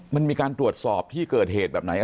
มันมีการตรวจสอบเกิดเกิดเหตุอย่างไรไง